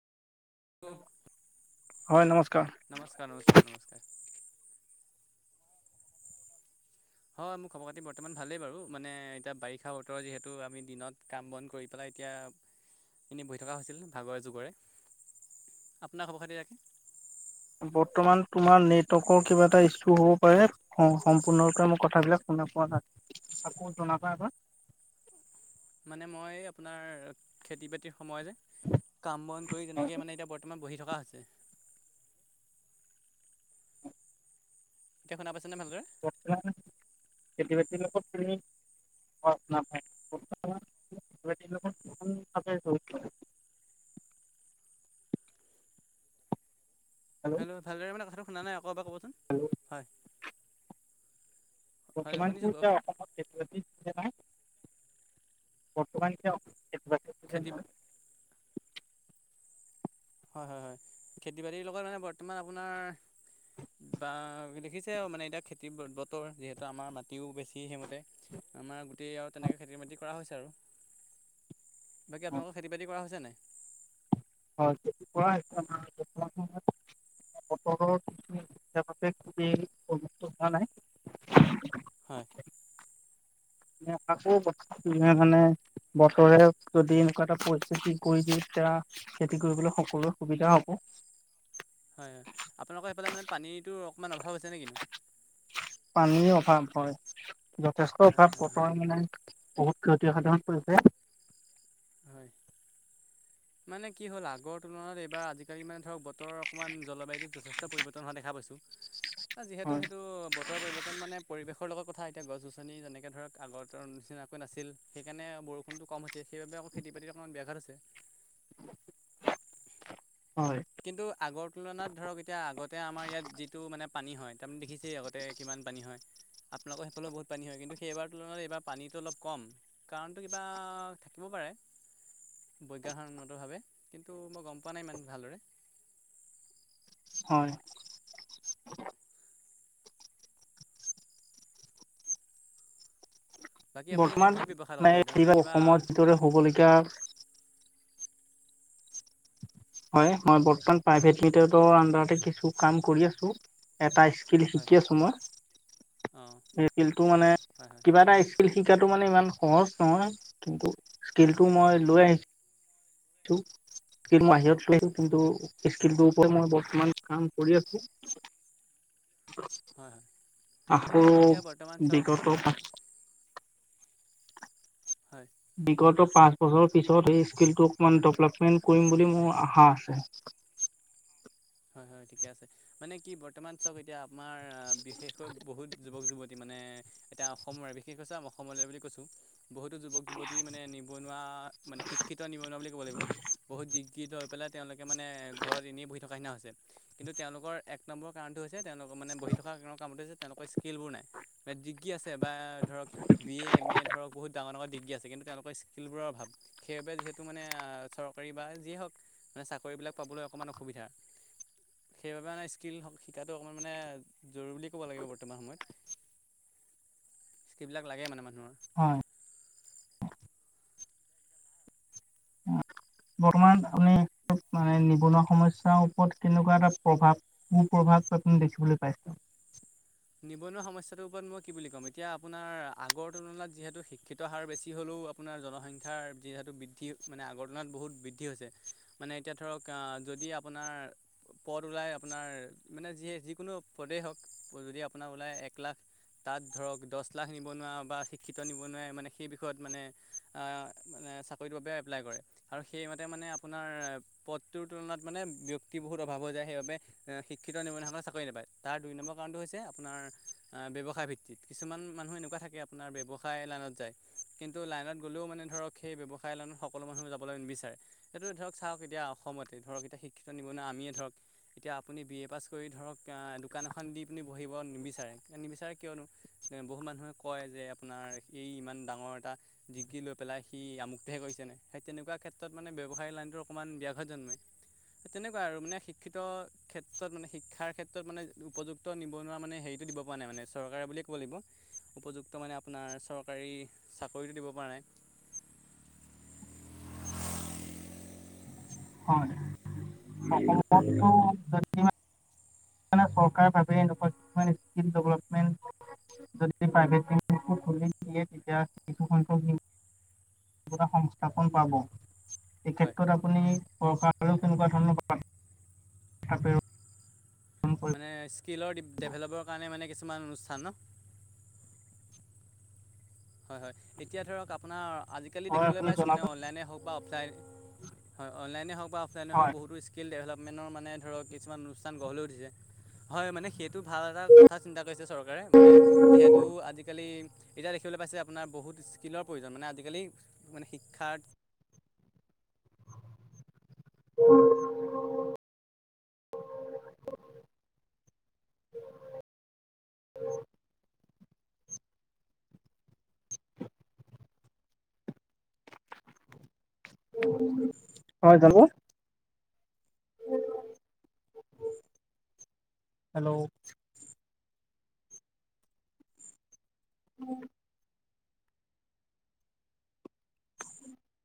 হয় নমস্কাৰ নমস্কাৰ নমস্কাৰ নমস্কাৰ হয় মোৰ খবৰ খাতি বৰ্তমান ভালেই বাৰু মানে এতিয়া বাৰিষা বতৰ যিহেতু আমি দিনত কাম বন কৰি পেলাই এতিয়া এনেই বহি থকা হৈছিল ভাগৰে যুগৰে আপোনাক খবৰ খাতি ৰা- বৰ্তমান তোমাৰ নেটৱৰ্কৰ কিবা এটা ইচু হ'ব পাৰে। অ সম্পূৰ্ণৰূপে মই কথাবিলাক শুনা পোৱা আকৌ জনাবা এবাৰ। মানে মই আপোনাৰ খেতি বাতিৰ সময় যে কাম বন কৰি যেনেকে মানে এতিয়া বত- তমা বহি থকা হৈছে। এতিয়া শুনা পাইছনে ভালদৰে? [unintelligible] খেতি বাতি লগত তুমি [unintelligible] [inaudible] খেতি লগত [unintelligible] ভাৱে জড়িত। হেল্ল' ভালদৰে মানে কথাটো শুনা নাই আকৌ এবাৰ ক'বচোন, হয়। হয় বৰ্তমান শুনিছোঁ কো যা কওকচোন অসমত খেতি বাতি হে নাই বৰ্তমান যে অস- খেতি বা- হয় হয় হয় খেতি বাতিৰ লগত মানে বৰ্তমান আপোনাৰ বা দেখিছে মানে এতিয়া খেতি বতৰ যিহেতু আমাৰ মাটিও বেছি সেইমতে আমাৰ গোটেই আৰু তেনেকে খেতি মাটিৰ কৰা হৈছে আৰু। বাকী আপোনালোকৰ খেতি বাতি কৰা হৈছে নাই? হয় খেতি কৰা সিদ্ধান্ত নাই বতৰটোত কটৰৰ ইয়াৰ বাবে খুবেই [unintelligible] হোৱা নাই। হয়। আকৌ বা চুয়ে ধানে বতৰে যদি এনেকুৱা এটা পৰিস্থিতি কৰি দিয়ে তিয়া খেতি কৰিবলৈ সকলোৰে সুবিধা হ'ব। হয় আপোনালোকৰ সেইফালে মানে পানীটো অকণমান অভাৱ হৈছে নে কিনো? পানীৰ অভাৱ হয়, যথেষ্ট অঁ অভাৱ হয় হয় বতৰ মানে হয় হয় বহুত ক্ষতিসাধন কৰিছে। হয়। মানে কি হ'ল আগৰ তুলনাত এইবাৰ আজিকালি মানে ধৰক বতৰৰ অকণমান জলবায়ুটোত যথেষ্ট পৰিৱৰ্তন হোৱা দেখা পাইছোঁ। যিহেতু হয় সেইটো বত- তৰ পৰিৱৰ্তন মানে পৰিৱেশৰ লগত কথা এতিয়া গছ গছনি যেনেকে ধৰক আগৰ নিচিনাকৈ নাছিল সেইকাৰণে বৰষ- ষুণটো কম হৈছে যদি সেইবাবে আকৌ খেতি বাতি অকণমান ব্যাঘাট হৈছে। হয়। কিন্তু আগৰ তুলনাত ধৰক এতিয়া আগতে আমাৰ ইয়াত যিটো মানে পানী হয় তাৰমানে দেখিছেই আগতে কিমান পানী হয়। আপোনালোকৰ সেইফালেও বহু পানী হয় কিন্তু সেইবাৰ তুলনাত পানীটো অলপ কম। কাৰণটো কিবা থাকিব পাৰে। বৈজ্ঞান সন্মত ভাৱে কিন্তু মই গম পোৱা নাই ইমান ভালদৰে। হয়। বাকী আপুনি এতিয়া কি বৰ্তমান ব্যৱসায়ৰ লগত মেঘ জড়িত কি নে বা কিবা অসমত যিদৰে হ'বলগীয়া হয় মই বৰ্তমান প্ৰাইভেট মিটাৰ আন্ডৰতে কিছু কাম কৰি আছো। এটা ই- কিল্ল হয় শিকি আছো মই, অঁ সেই স্কিল্লতো মানে হয় কিবা এটা স্কি- স্কিল্ল শিকাটো মানে ইমান সহজ নহয় কিন্তু হয় হয় স্কিল্ল হয় টো হয় মই লৈ আহিছ- তো কিল মই হয় বাহিৰত লৈ আহিছো। কিন্তু স্কিল্লটোৰ ওপৰত মই বৰ্তমান কাম কৰি আছো। হয় হয় আকৌ মানে এতিয়া বৰ্তমান চাওক বিগত পা হয়। বিগত পাঁচ বছৰ পিছত সেই স্কিল্লটো অকমান দেৱলেপমেন্ত কৰিম বুলি মোৰ আশা আছে। হয় হয় ঠিকে আছে। মানে কি বৰ্তমান চব এতিয়া আমাৰ বিশেষকৈ বহুত যুৱক যুৱতী মানে এতিয়া অসমৰ বেশ কি কৈছে অসমলৈ বুলি কৈছো। বহুতো যুৱক - যুৱতী মানে নিবনুৱা, মানে শিক্ষিত নিবনুৱা বুলি ক'ব লাগিব, বহুত দিশ', শিক্ষিত হৈ পেলাই তেওঁলোকে মানে ঘৰত এনেই বহি থকা নিচিনা হৈছে, কিন্তু তেওঁলোকৰ এক', এক নম্বৰ কাৰণটো হৈছে তেওঁলোকৰ মানে বহি থকা কোনো কামতে যে তেওঁলোকৰ স্কিল্ল বোৰ নাই', ডিগ্ৰী আছে বা ধৰক', বি এ, এম এ, ধৰক বহুত ডাঙৰ - ডাঙৰ ডিগ্ৰী আছে কিন্তু তেওঁলোকৰ স্কিল্লবোৰৰ অভাৱ', সেইবাবে যিহেতু মানে আহ', চৰকাৰী বা যিয়ে হওঁক মানে চাকৰি বিলাক পাবলৈ অকণমান অসুবিধা', সেইবাবে মানে স্কিল্ল স', -শিকাটো অকণমান মানে জৰুৰী বুলি ক'ব লাগিব বৰ্তমান সময়ত', সেইবিলাক লাগে মানে মানুহৰ', হয়', বৰ্তমান আপুনি ক? মানে নিবনুৱা সমস্যাৰ ওপৰত কেনেকুৱা এটা প্ৰভাৱ - কু প্ৰভাৱ আপুনি দেখিবলৈ পাইছে? নিবনুৱা সমস্যাটোৰ ওপৰত মই কি বুলি ক'ম এতিয়া আপোনাৰ আগৰ তুলনাত যিহেতু শিক্ষিত হাৰ বেছি হ'লেও', আপোনাৰ জনসংখ্যাৰ যিহেতু বৃদ্ধি মানে আগৰ তুলনাত বহুত বৃদ্ধি হৈছে', মানে এতিয়া ধৰক অহ', যদি আপোনাৰ', পদ ওলাই আপোনাৰ মানে যিয়ে যিকোনো পদেই হওঁক, যদি আপোনাৰ ওলাই এক লাখ', তাত ধৰক দহ লাখ নিবনুৱা বা শিক্ষিত নিবনুৱাই মানে সেই বিষয়ত মানে', অহ', মানে চাকৰিটোৰ বাবে এপ্লাই কৰে', আৰু সেইমতে মানে আপোনাৰ, পদটোৰ তুলনাত মানে ব্যক্তি বহুত অভাৱ হৈ যায় সেইবাবে', এ শিক্ষিত নিবনুৱা সকলে চাকৰি নাপায়, তাৰ দুই নম্বৰ কাৰণটো হৈছে আপ', আপোনাৰ, অ', ব্যৱসায় ভিত্তিত, কিছুমান মানুহ এনেকুৱা থাকে আপোনাৰ ব্যৱসায় লাইনত যায়', কিন্তু লাইনত গ'লেও মানে ধৰক সেই ব্যৱসায় লাইনত সকলো মানুহ যাবলৈ নিবিচাৰে', সেইটো ধৰক চাওঁক এতিয়া অসমতে, ধৰক এতিয়া শিক্ষিত নিবনুৱা আমিয়ে ধৰক', এতিয়া আপুনি বি এ পাছ কৰি ধৰক অহ', দোকান এখন দি পিনি বহিব নিবিচাৰে, এ', নিবিচাৰে কিয়নো? এ বহুত মানুহে কয় যে আপোনাৰ এই ইমান ডাঙৰ এটা', ডিগ্ৰী লৈ পেলাই সি আমোকটোহে কৰিছে নে, সেই তেনেকুৱা ক্ষেত্ৰত মানে ব্যৱসায়িক লাইনটো অকণমান ব্যাঘাত জন্মে', হে, তেনেকুৱা আৰু মানে শিক্ষিত ক্ষেত্ৰত মানে শিক্ষাৰ ক্ষেত্ৰত মানে উপযুক্ত নিব', নিবনুৱা মানে হেৰিটো দিব পৰা নাই মানে চৰকাৰে বুলিয়ে ক'ব লাগিব', উপযুক্ত মানে আপোনাৰ চৰকাৰী চাকৰিটো দিব পৰা নাই', হয়, অসমত', অহ', চৰকাৰ ভাৱে এনেকুৱা কিছুমান স্কিম ডেভেলপমেণ্ট, যদি প্ৰাইভেট স্কিম', যদি খুলি দিয়ে ', এতিয়া কিছু সংখ্যক নিবনুৱা সংস্থাপন পাব, এই হয় ক্ষেত্ৰত আপ', আপুনি প্ৰশাসনক‌ কোনোবা ধৰণৰ বাৰ্তা প্ৰেৰণ ', মানে স্কিলৰ ডেভেলপৰ কাৰণে মানে কিছুমান অনুষ্ঠান ন', হয়', - হয়', এতিয়া ধৰক আপোনাৰ আজিকালি হয় দেখিবলৈ আপুনি পাইছোঁ মানে জনাব অনলাইনে হওঁক', বা অফলাইন, হয় অনলাইনে হওঁক বা অফলাইনে হওঁক হয় বহুতো স্কি', স্কিল ডেভেলপমেণ্টৰ মানে ধৰক কিছুমান অনুষ্ঠান গঢ় লৈ উঠিছে', হয় মানে সেইটো ভাল এটা কথা চিন্তা কৰিছে চৰকাৰে মানে', যিহেতু আজিকালি এতিয়া দে', দেখিবলৈ পাইছে আপোনাৰ বহুত স্কিলৰ প্ৰয়োজন, মানে আজিকালি মানে শিক্ষাৰ', হয়, জানোঁ', হেল্ল',